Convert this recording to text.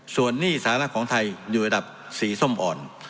ส่วนหนี้สาธารณะของไทยอยู่ระดับสีส้มอ่อน